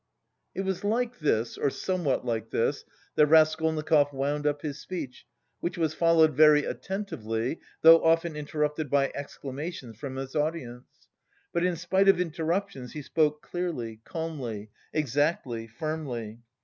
It was like this, or somewhat like this, that Raskolnikov wound up his speech which was followed very attentively, though often interrupted by exclamations from his audience. But in spite of interruptions he spoke clearly, calmly, exactly, firmly.